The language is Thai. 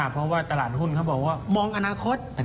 เพราะว่าตลาดหุ้นเขาบอกว่ามองอนาคต